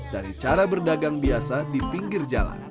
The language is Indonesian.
dari cara berdagang biasa di pinggir jalan